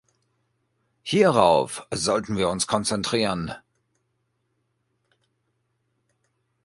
Hierauf sollten wir uns konzentrieren.